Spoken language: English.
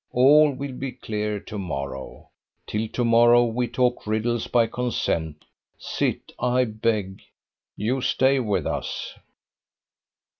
All will be clear to morrow. Till to morrow we talk riddles by consent. Sit, I beg. You stay with us."